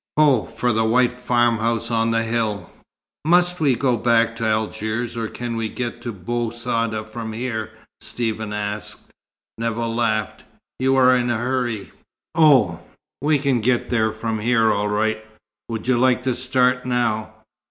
Ho for the white farmhouse on the hill!" "Must we go back to Algiers, or can we get to Bou Saada from here?" Stephen asked. Nevill laughed. "You are in a hurry! Oh, we can get there from here all right. Would you like to start now?"